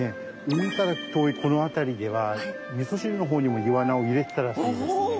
海から遠いこの辺りではみそ汁の方にもイワナを入れてたらしいですね。